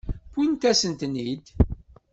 Wwint-asen-ten-id.